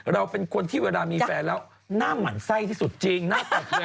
เราเป็นคนที่เวลามีแฟนแล้วหน้ามันไส้ที่สุดจริงหน้าตอบเฟือนเลยอ๋อ